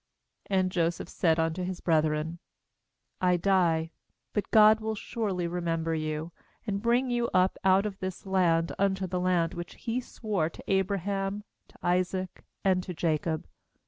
^And Joseph said unto his brethren: 'I die; but God will surely remember you, and bring you up out of this land unto the land which He swore to Abraham, to Isaac, and to Jacob.'